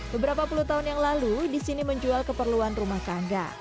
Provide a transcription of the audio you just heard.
beberapa puluh tahun yang lalu di sini menjual keperluan rumah tangga